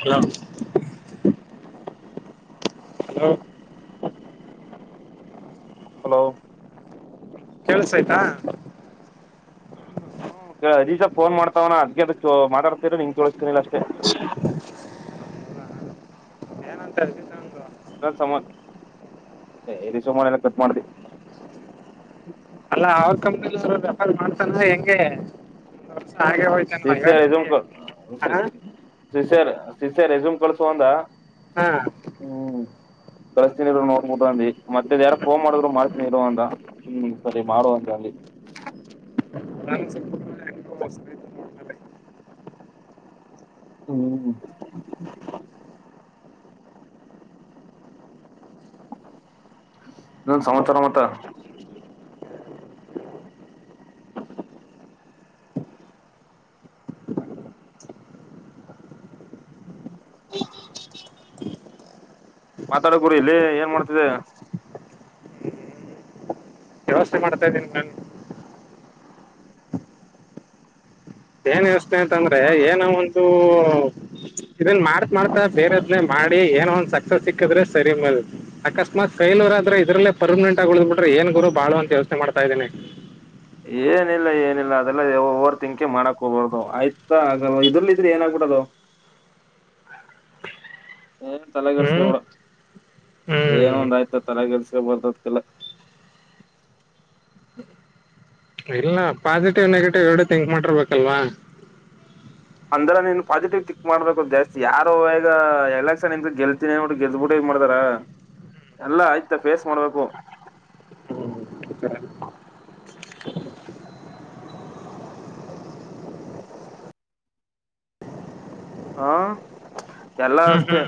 Hello hello. Hello. ಕೇಳುಸ್ತೈತ. ಹ್ಮ್ ರಿಜ ಫೋನ್ ಮಾಡ್ತಾವ್ನ ಅದ್ಗೆ ಅದ್ ಮಾತಾಡ್ತ್ರ ನಿನ್ ಕೇಳುಸ್ತೀನಿಲ್ಲ ಅಷ್ಟೇ. ಏನಂತ ಹೇಳ್ತಿದ್ದೆ ಒಂದು ರಕ್ ಸಾಮಾನ ಎ ರಿಸೀವ್ ಮಾಡಿಲ್ಲ ಕಟ್ ಮಾಡ್ದೆ. ಅಲ್ಲಾ ಅವ್ರ್ ಕಂಪ್ನಿಲು ಇರೋ ರೆಕಾರ್ಡ್ ಮಾಡ್ತಾನ ಹೆಂಗೆ. ವರ್ಷ ಹಾಗೆ ಡಿ ಹೋಯ್ತಾನ ಸಿ ಆರ್ ಹೇಳ್ತೀನಿ ಇದುನ್ಕೋ ಹ ಜಿ ಸಿ ಆರ್. ಅ ಸಿಸ್ಯ ರೆಸ್ಯೂಮ್ ಕಳ್ಸು ಅಂದ. ಹಾ. ಹ್ಮ್ ಕಳ್ಸ್ತೀನಿ ಇರು ನೋಡ್ಬುಟ್ಟು ಅಂದಿ ಮತ್ತೆದ್ ಯಾರ ಫೋನ್ ಮಾಡಿದ್ರು ಮಾಡ್ತೀನಿ ಇರು ಅಂತ ಹ್ಮ್ ಸರಿ ಮಾಡು ಅಂತ ಅಂದಿ. ನನ್ ಹ್ಮ್. ಇನೇನ್ ಸಮಾಚಾರ ಮತ್ತ. [inaudible] ಮಾತಾಡ ಗುರು ಇಲ್ಲಿ ಏನ್ ಮಾಡ್ತಿದೆ ವ್ಯವಸ್ಥೆ ಮಾಡ್ತಾ ಇದ್ದೀನಿ ಮೆನ್ ಏನ್ ವ್ಯವಸ್ ಅಂತಂದ್ರೆ ಏನೋ ಒಂದೂ ಇದನ್ ಮಾಡತ್ ಮಾಡ್ತಾ ಬೇರೆದ್ನ್ನೇ ಮಾಡಿ ಏನೊಂದ್ ಸಕ್ಸಸ್ ಸಿಕ್ಕಿದ್ರೆ ಸರಿ ಮ ಅಕಸ್ಮಾತ್ ಪೆಲ್ವರ್ ಆದ್ರೆ ಇದ್ರಲ್ಲೇ ಪರ್ಮನೆಂಟ್ ಆಗಿ ಉಳ್ ಬಿಿಟ್ರೆ ಏನ್ ಗುರು ಬಾಳಂತ ಯೋಚ್ನೆ ಮಾಡತ ಇದ್ದೇನೆ ಏನಿಲ್ಲ -ಏನಿಲ್ಲ ಅದೆಲ್ಲ ಒವರ್ ಥಿಂಕೆ ಮಾಡಕ್ ಹೋಗಬಾರ್ದದು ಆಯ್ತಾ ಆಗಲ್ ಇದ್ರಲ ಇದ್ರೆ ಏನಾಗಗ್ಬಿಡದು. ಏನ್ ಹ್ಮ್ ತಲೆಗಡ್ಸಕಡ ಹ್ಮ್ ಏನೊಂದ ಆಯ್ತ ತಲೆಗಡ್ಸ ಬರ್ತದಕಲ್ಲ. ಇಲ್ಲ ಪಾಸಿಟಿವ್ ನೆಗೆಟಿವ್ ಎರಡು ಥಿಂಕ್ ಮಾಡ್ಿರ್ಬೇಕಲ್ವಾ. ಅಂದಲ್ಲ ನೀನ್ ಪಾಸಿಟಿವ್ ತಿಥಿಂಕ್ ಮಾಡ್ಬೇಕು ಜಾಸ್ತಿ ಯಾರೋ ಈಗ ಎಲೆಕ್ಷನ್ ನಿಂತ ಗೆಲ್ತೀನಿೋಟ್ಟು ಗೆದ್ಬಿಟ್ಟು ಈ ಮಾಡತಾರ ಎಲ್ಲ ಆಯ್ತ ಫೇಸ್ ಮಾಡ್ಬೇಕು. ಹಾ ಎಲ್ಲ ಹ್ಮ್ ಅಷ್ಟೇ. ಹ್ಮ್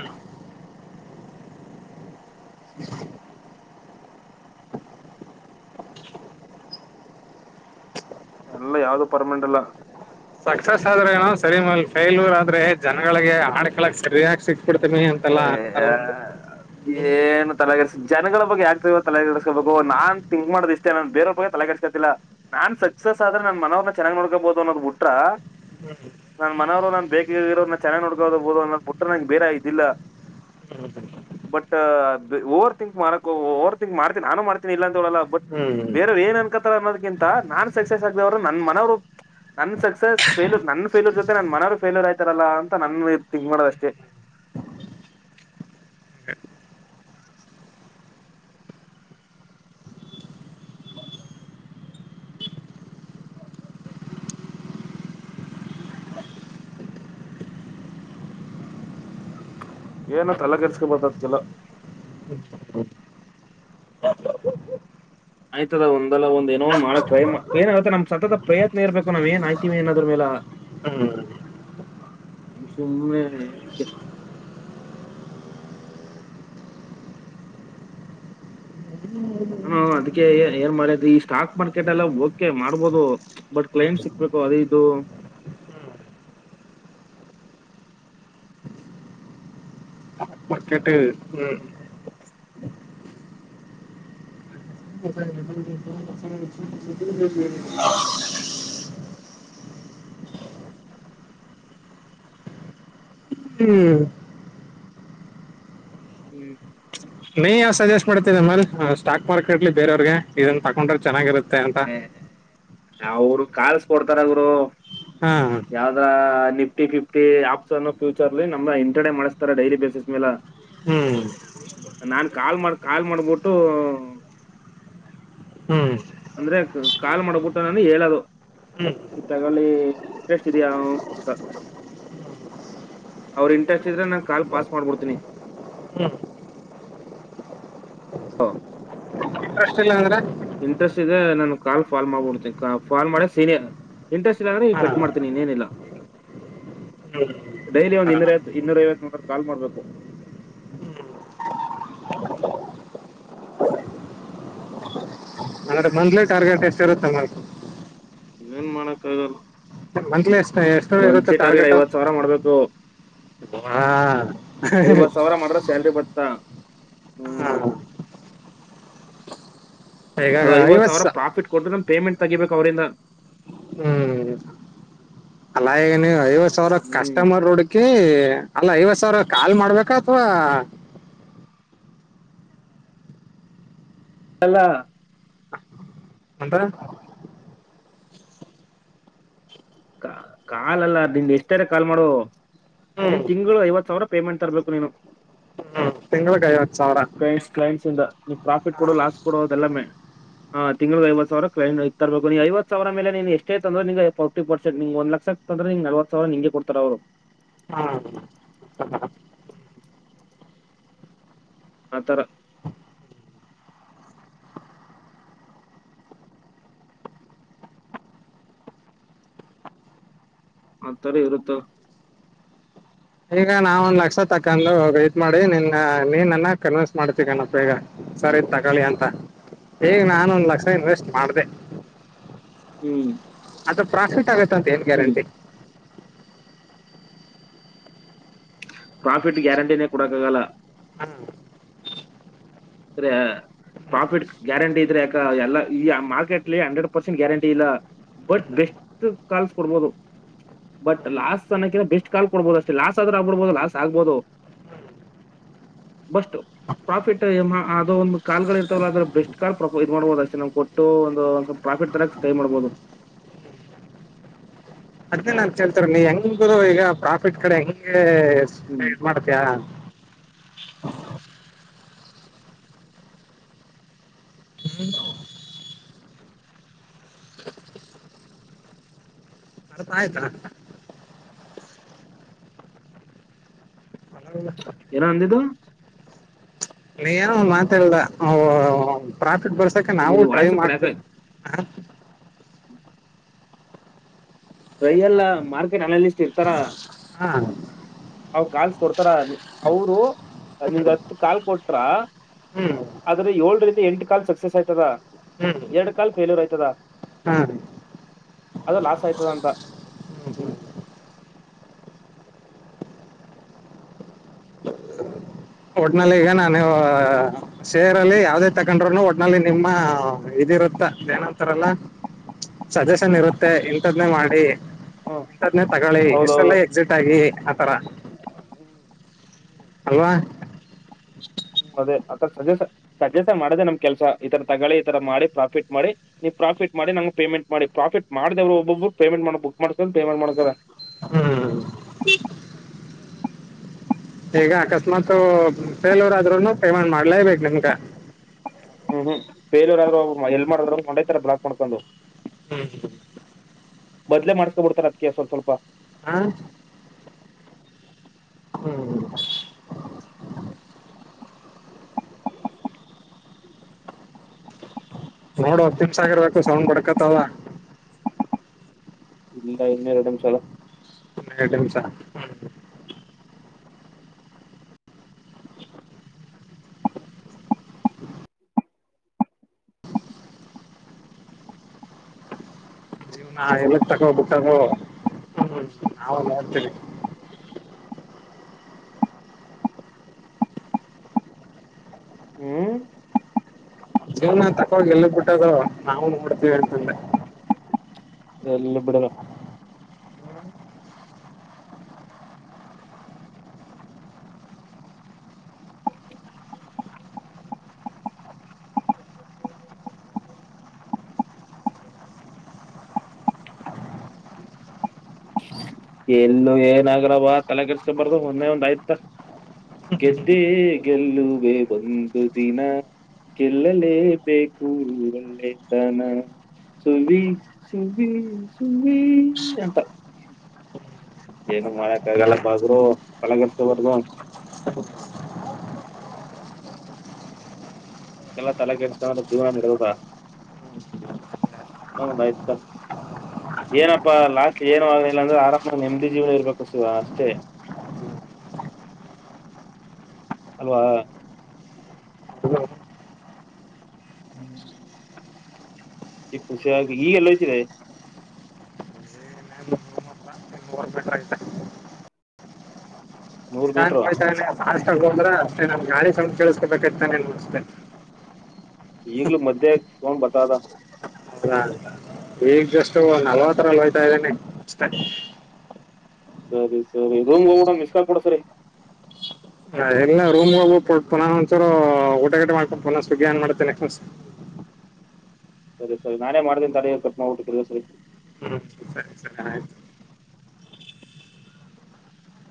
ಎಲ್ಲ ಯಾವ್ದೋ ಪರ್ಮನೆಂಟ್ ಅಲ್ಲ.. ಸಕ್ಸಸ್ ಆದ್ರೆನ ಸರಿ ಮ ಫೇಲ್ಯೂರ್ ಆದ್ರೆ ಜನಗಳಿಗೆ ಆಡ್ಕಳಕ್ ಸರಿಯಕ್ ಸಿಕ್ತ. ಬಿಿಡ್ತ ಮಿ ಅಂತೆಲ್ಲ ಹಾಕ್ತಾರ್ ವಂದು ಏನ್ ತಲೆ ಕೆ ಜನಗಳ ಬಗ್ಗೆ ಯಾಕ ತಲೆ ಕೆಡಸ್ಕೋಬೇಕು ನಾನ್ ಥಿಂಕ್ ಮಾಡೋ್ ಇಷ್ಟೇ ನಾನ್ ಬೇರವ್ರ ಬಗ್ಗೆ ತಲೆ ಕೆಡಸ್ಕತಿಲ್ಲ ನಾನ್ ಸಕ್ಸಸ್ ಆದ್ರೆ ನನ್ ಮನವ್ರನ್ನ ಚೆನ್ನಾಗಿ ನೋಡ್ಕೋಬಹುದು ಅನ್ನದ್ ಬಿಟ್ರ ನನ್ ಮನವ್ರು ನಾನ್ ಬೇಕರೋದನ್ನ ಚೆನ್ನಾಗಿ ನೋಡ್ಕೋಬಹುದು ಅನ್ನೋದ್ ಬಿಟ್ರ ನಂಗೆ ಬೇರೆ ಇದಿಲ್ಲ. ಬಟ್ ಓವರ್ ಥಿಂಕ್ ಮಾಡಕ ಓವರ್ಥಂಕ್ ಮಾಡ್ತೀನಿ ನಾನು ಮಾಡ್ತೀನಿ ಇಲ್ಲ ಅಂತ ಹೇಳಲ್ಲ ಬಟ್ ಹ್ಮ್ ಬೇರವ್ ಏನ್ ಅನ್ಕತಾರ ಅನ್ನೋದಕಿಂತ ನಾನ್ ಸಕ್ಸಸ್ ಆಗ್ದವ್ರ ನನ್ ಮನವ್ರು ನನ್ ಸಕ್ಸಸ್ ಫೇಲ್ರ್ ನನ್ ಫೇಯೂರ್ ಜೊತೆ ನನ್ ಮನೆಯವ್ರು ಫೇಲ್ಯೂರ್ ಆಯ್ತಾರಲ್ಲ ಅಂತ ನನ್ನ ಥಿಂಕ್ ಮಾಡೋದ ಅಷ್ಟೇ. ಏನು ತಲೆ ಕೆರ್ಸ್ಕೊಬತದ ಕೆಲ. ಆಯ್ತದ ಒಂದಲ್ಲ ಒಂದ್ ಏನೊಂದ್ ಮಾಡಕ ಟ್ರೈ ಏನಾಗತ್ತ ನಮ್ ಸತತ ಪ್ರಯತ್ನ ಇರ್ಬೇಕು ನಾವ್ ಏನಆಯ್ತಿವಿ ಏದ್ರ ಮೇಲೆ ಹ್ಮ್ ಸುನೆ. ಹ ಅದಕ್ಕೆ ಏನ್ ಮಾಡ ಈ ಸ್ಟಾಕ್ ಮಾರ್ಕೆಟ್ ಎಲ್ಲ ಓಕೆ ಮಾಡ್ಬೋದು ಬಟ್ ಕ್ಲೈಂಟ್ ಹ್ಮ್ ಸಿಕ್ಬೇಕು ಅದೇ ಇದು. ಬತಟ್ಟ ಹ್ಮ್. ಹ್ಮ್ಮ್. ಹ್ಮ್ಮ್. ಹ್ಮ್. ಹ್ಮ್ ನೀ ಯಾವ ಸಜೆಸ್ಟ್ ಮಾಡ್ತಮ್ಮ ಸ್ಟಾಕ್ ಮಾರ್ಕೆಟ್ಲಿ ಬೇರೆಯವ್ರಿಗೆ ಇದನ್ ತಕೊಂಡ್ರ ಚೆನ್ನಾಗಿರುತ್ತೆ ಅಂತ. ಅವರು ಕಲ್ಸ್ ಕೊಡ್ತಾರ ಅವರು. ಹಾ ಯಾವ್ದ. Nifty fifty app future inter ಮಾಡತಾರೆ ಡೈಲಿ ಬೇಸಿಸ ಮೇಲೆ ಹ್ಮ್ ನಾ ಕಾಲ್ ಕಾಲ್ ಮಾಡಬಿಟ್ಟ. ಹ್ಮ್ ಹ್ಮ್ ಅಂದ್ರೆ ಕಾಲ್ ಮಾಡಬಿಟ್ಟು ನಾನು ಹೇಳದು ಹ್ಮ್ ಈ ತಗಿ ಇಂಟ್ರೆಸ್ಟ್ ಇದಯ ಅಂತ ಅವ್ರ ಇಂಟ್ರೆಸ್ಟ್ ಇದ್ರೆ ನಾ ಕಾಲ್ ಪಾಸ್ ಮಾಡ್ಬಿಡ್ತೀನಿ. ಹಾ. ಇಂಟ್ರೆಸ್ಟ್ ಇಲ್ಲ ಅಂದ್ರೆ. ಕಾಲ್ ಫಾಲ್ ಮಾಡ್ಬಿಡ್ಿ ಫಲ್ ಮಾಡ ಸರ್ ಇಂಸ್ಟ್ ಇ್ರೆ ಹಾ ಕಟ್ ಮಾಡ್ತನಿ ಇನಿಲ್ಲ ಹ್ಮ್ ಹಾ ಡಲಿೂರ ಕಾಲ್ ಮಾಡಬೇಕು. ಅಂದ್ರೆ ಮಂತ್ಲಿ ಟಾರ್ಗೆಟ್ ಎಷ್ಟ ಇರುತ್ತೆ ಮಾಮ್ ಏನು ಮಾಡ್ ಕಾಗಲ್ಲ ಮಂತ್ಲಿ ಎಷ್ಟ ಎಷ್ಟು ಇರುತ್ತೆ ಟಾರ್ಗೆಟ ಐವತ್ ಸಾವಿರ ಮಾಡ್ಬೇಕು ವಾ ಸ್ಯಲ್ರಿ ಬತ್ತಾ ಹ್ಮ್ ಈಗ ಅದು ಐವತ್ತು ಸಾವಿರ ಸಾ ಪ್ರಾಫಿಟ್ ಕೊಟ್ಟ್ರ ಪೇಮೆಂಟ್ ತೆಗಿಬೇಕು ಅವ್ರಂದ ಹ್ಮ್ ಅಲ್ಲ ನೀ ಐವತ್ತು ಹತ್ತು ಸಾವರ ಕಸ್ಟಮರ್ ರೋಡ್ಕಿ ಅಲ್ಲ ಐವತ್ ಸಾವಿರ ಕಾಲ್ ಮಾಡ್ಬೇಕಾ ಅಥವಾ ಎಲ್ಲ. ಅಂತರ. ಕ ಕಾಲಲ್ಲ ನಿನ್ ಎಷ್ಟಾರೆ ಕಾಲ್ ಮಾಡು ಹ್ಮ್ ನಿನ್ ತಿಂಗ್ಳು ಐವತ್ ಸಾವ್ರ ಪೇಮೆಂಟ್ ತರ್ಬೇಕು ನೀನು. ತಿಂಗ್ಳಗ್ ಐವತ್ ಸಾವ್ರ. ಕ್ಲೈಂಟ್ಸ್ ಕ್ಲೈಂಟ್ಸ್ ಇಂದ ನೀ ಪ್ರಾಫಿಟ್ ಕೊಡು ಲಾಸ್ ಕೊಡು ಅದೆಲ್ಲ ಮೇ ಹ ತಿಂಗ್ಳಗ್ ಐವತ್ ಸಾವ್ರ ಕ್ಲೈನ್ ಆಯ್ತಾ ತರ್ಬೇಕ್ ನೀ ಐವತ್ ಸಾವ್ರ ಮೇಲೆ ನೀನ್ ಎಷ್ಟೇ ತಂದ್ರು ನಿಂಗ್ ಫಿಫ್ಟಿ ಪರ್ಸೆಂಟ್ ನಿಂಗ್ ಒಂದ್ ಲಕ್ಷ ತಂದ್ರು ನಿ ನಲ್ವತ್ ಸಾವ್ರ ನಿಂಗೆ ಕೊಡ್ತಾರ್ ಅವ್ರು. ಹಾಂ [unintelligible] ಆತರ. ಆತರ ಇರುತು. ಈಗ ನಾ ಒಂದ್ ಲಕ್ಷ ತಕಂಡು ವಾಯ್ಟ್ ಮಾಡಿ ನಿನ್ನ ನೀ ನನ್ನ ಕನ್ವಿನ್ಸ್ ಮಾಡ್ತಿ ಕನಪ್ಪ ಈಗ ಸರ್ ಇದ್ ತಕಳಿ ಅಂತ ಈಗ್ ನಾನ್ ಒಂದ್ ಲಕ್ಷ ಇನ್ವೆಸ್ಟ್ ಮಾಡ್ದೆ. ಹ್ಮ್. ದ್ ಪ್ರಾಫಿಟ್ ಆಗುತ್ ತಂತ್ ಏನ್ ಹ್ಮ್ ಗ್ಯಾರಂಟಿ. ಪ್ರಾಫಿಟ್ ಗ್ಯಾರಂಟೀನೆ ಕೊಡಕಾಗಲ್ಲ. ದ್ರ್ಯ ಪ್ರಾಫಿಟ್ ಗ್ಯಾರಂಟಿ ಇದ್ರೆ ಯಾಕ ಎಲ್ಲ ಈ ಮಾರ್ಕೆಟ್ಲಿ ಹಂಡ್ರೆಡ್ ಪರ್ಸೆಂಟ್ ಗ್ಯಾರಂಟಿ ಇಲ್ಲ ಬಟ್ ಬೆಸ್ಟ್ ಕಾಲ್ಸ್ ಕೊಡ್ಬೋದು ಬಟ್ ಲಾಸ್ ಅನ್ನಕೆನಾ ಬೆಸ್ಟ್ ಕಾಲ್ ಕೊಡ್ಬೋದು ಅಷ್ಟೇ ಲಾಸ್ ಆದ್ರು ಆಗ್ಬುಡ್ಬೊದು ಲಾಸ್ ಆಗ್ಬೊದು ಬಸ್ಟ ಪ್ರಾಫಿಟ್ ಎಮ ಅದು ಒಂದು ಕಾಲ್ಗಳ್ ಇರ್ತಾವಲ್ಲ ಆದ್ರೆ ಬೆಸ್ಟ್ ಕಾಲ್ ಪ್ರ ಇದ್ ಮಾಡ್ಬೋದು ಅಷ್ಟೇ ನಮ್ ಕೊಟ್ಟು ಒಂದು ಒಂದ್ ಸ್ವಪ್ ಪ್ರಾಫಿಟ್ ತರಕ್ ಟ್ರೈ ಮಾಡ್ಬೋದು. ಅದ್ನೇ ನಾನ್ ಕೇಳ್ತಿರೋದು ನೀ ಹೆಂಗ್ ಗುರು ಈಗ ಪ್ರಾಫಿಟ್ ಕಡೆ ಹೆಂಗೆ ಎಸ್‌ ಹ್ಮ್ ಮಾಡ್ತಯ. [unintelligible] ಅರ್ಥ ಆಯ್ತಾ. ಏನ ಅಂದಿದು. ನೀ ಏನೂ ಒಂದ್ ಮಾತೇಳದ ಅವ್ ಪ್ರಾಫಿಟ್ ಬರ್ ತಕ ನಾವು ನೀನು ಟ್ರೈ ಮಾಡ್ತೇವ್ ಆ. ಹ್ಮ. ರಯಲ್ಲ ಮಾಡಿತೀನ್ ಅನಾಲಿಸ್ಟ್ ಇರ್ತಾರ, ಅವ್ ಕಾಲ್ಸ್ ಕೊಡ್ತಾರ ಅವ್ರು ನಿಂಗ್ ಹತ್ ಕಾಲ್ ಕೊಟ್ರ ಹ್ಮ್ ಆದ್ರೆ ಹೊಳ್ರಿತಿ ಎಂಟ್ ಕಾಲ್ ಸಕ್ಸಸ್ ಆಯ್ತದ ಹ್ಮ್ ಎಡ್ ಕಾಲ್ ಫೇಲ್ಯುರ್ ಆಯ್ತದ ಹಾಂ ಅದು ಲಾಸ್ ಆಯ್ತದ ಅಂ ತ ಹ್ಮ್. ಒಟ್ನಲ್ಲಿ ಈಗ ನಾನು ಸೇರಲ್ಲಿ ಯಾವ್ದೇ ತಕಂಡ್ರುನು ಒಟ್ನಲ್ಲಿ ನಿಮ್ಮ ಇದಿರುತ್ತ ಅದ್ ಏನಂತರಲ್ಲ ಸಜೆಷನ್ ಇರುತ್ತೆ ಇಲ್ ಇಂತದ್ನೇ ಮಾಡಿ ಹ್ಮ್ ಇಂತದ್ನೇ ತಗಳಿ ಹೌದೌದು ಇಷ್ಟ್ರಲ್ಲೆ ಎಕ್ಸಿಟ್ ಆಗಿ. ಆತರ. ಹ್ಮ್. ಅಲ್ವಾ. ಹ ಅದೇ ಆರ ಸಜ ಸಜೆಷನ್ ಮಾಡ್ದೆ ನಮ್ ಕೆಲ್ಸ ಈತರ ತಗಳಿ ಈತರ ಮಾಡಿ ಪ್ರಾಫಿಟ್ ಮಾಡಿ ನೀ ಪ್ರಾಫಿಟ್ ಮಾಡಿ ನಮ್ಗ್ ಪೇಮೆಂಟ್ ಮಾಡಿ ಪ್ರಾಫಿಟ್ ಮಾಡ್ದೆವ್ರು ಒಬ್ಬೊಬ್ಬರು ಪೇಮೆಂಟ್ ಮಾಡ್ ಬುಕ್ ಮಾಡ್ಕಂಡ್ ಪೇಮೆಂಟ್ ಮಾಡ್ತರ. ಹ್ಮ್ ಈಗ ಅಕಸ್ಮಾತ್ ಫೇಲ್ಯೂರ್ ಆದ್ರುನು ಪೇಮೆಂಟ್ ಮಾಡ್ಲೇಬೇಕ್ ನಮ್ಗ. ಹು ಹು ಫೇಲ್ಯೂರ್ ಅದ್ರು ಅವ್ರ್ ಎಲ್ ಮಾಡುದ್ರೊ ಕೊಂಡೊಯ್ತಾರ ಬ್ಲಾಕ್ ಮಾಡ್ಕೊಂಡು. ಹ ಮೊದ್ಲೇ ಮಾಡ್ಸ್ಕೊಬುಡ್ತಾರೆ ಅದಕ್ಕೆ ಸ್ವಲ್ಪ್ ಸ್ವಲ್ಪ. ಹ್ಮ್ ಹಾ ನೋಡೊ ತಿನ್ಸ ಆಗಿರ್ಬೇಕು ಸೌಂಡ್ ಬಡ್ಕತ್ತವ. ಇಲ್ಲ ಇನ್ನ ಎರಡ್ ನಿಮ್ಷ ಅದ. ಇನ್ನ ಎರಡ್ ನಿಮ್ಷ ಹ್ಮ್. ಜೀವ್ನ ಎಲ್ಲಕ್ ತಗ ಹೋಗ್ ಬಿಟ್ಟತ್ತು ಹ್ಮ ನಾನು ನೋಡ್ತಿನಿ. ಹ್ಮ್ ಜೀವ್ನ ತಕ್ಕಹೋಗ್ ಎಲಿಗ್ ಬಿಟ್ಟದು ನಾವು ನೋಡ್ತಿವಿ ಅಂತಂದೆ. ಎಲ್ಲು ಬಿಡಲ್ಲ. ಎಲ್ಲು ಏನಾಗಲ್ಲವ ತಲೆ ತಲೆ ಕೆಡಿಸ್ಕೊಬಾರ್ದು ಮೊನ್ನೆ ಒಂದ್ ಆಯ್ತ ಗೆದ್ದೇ ಗೆಲ್ಲುವೆ ಒಂದು ದಿನ ಗೆಲ್ಲಲೇ ಬೇಕು ಒಳ್ಳೆತನ ಸುವ್ವಿ ಸುವ್ವಿ ಸುವ್ವಿ ಅಂತ. ಏನು ಮಾಡಕ್ ಆಗಲ್ಲ ಬಾ ಗುರು ತಲ ಕೆಡ್ಸ್ಕ ಬಾರ್ದು. ಅದ್ಕೆಲ್ಲಾ ತಲೆ ಕೆಡ್ಸ್ಕಂಡ್ರೆ ಜೀವನ ನಡ್ತದ ಏನೋ ಒಂದ್ ಅಯ್ತ ಏನಪ್ಪಾ ಲಾಸ್ಟ್ಲ್ ಏನು ಆಗ್ಲಿಲ್ಲ ಅಂದ್ರೆ ಆರಾಮಾಗ್ ನೆಮ್ಮದಿ ಜೀವ್ನ ಇರ್ಬೇಕು ಸಿವ ಅಷ್ಟೇ. ಅಲ್ವಾ. ಹ್ಮ್. ಈಗ್ ಕುಸಿಯಾಗ್ ಈಗೆಲ್ ಹೊಯ್ತಿದ್ದೆ. ಗೋರ್ಮೆಂಟ್ ರೈತ ನೂರ್ ನಿಧಾನಕ್ ಮೀಟ್ರು ಹೋಯ್ತಾವ್ನಿ. ಫಷ್ಟಗ್ ಹೋದ್ರ ಅಷ್ಟೇ ನಮ್ ಗಾಡಿ ಸೌಂಡ್ ಕೇಳ್ಸ್ಕೊಬೇಕ್ ಆಯ್ತಾ ನೀನು ಅಷ್ಟೇ. ಈಗ್ಲು ಮಧ್ಯೆ ಸೌಂಡ್ ಬತ್ತಾದ. ಹೌದ ಇಗ್ ಜಸ್ಟ್ ತ್ತು ನಲ್ವತ್ತರಲ್ ಹೋಯ್ತಾ ಇದೀನಿ. ಅಚ್ದೆ. ಸರಿ ಸರಿ ರೂಮ್ಗ್ ಹೋಗ್ಬಿಟ್ ಒಂದ್ ಮಿಸ್ಕಾಲ್ ಕೋಡು ಒನ್ಸರಿ. ಹ ಎಲ್ಲ ರೂಮ್ ಹೋಗ ಪುನ ಒಂದಂಚೂರು ಊಟ ಗೆಟ ಮಾಡ್ಕೊಂಡು ಪುನ ಸ್ವಗ್ಗಿ ಅನ್ ಮಾಡ್ತಿನಿ. ಸರಿ ಸರಿ ನಾನೇ ಮಾಡ್ತೀನ್ ತಡಿ ಕಟ್ ಮಾಡ್ಬಿಟ್ಟು ತಿರ್ಗೆ ಒನ್ಸರಿ. ಸರಿ ಸರಿ ಆಯ್ತು